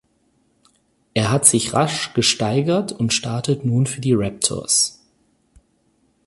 Er hat sich rasch gesteigert und startet nun für die Raptors.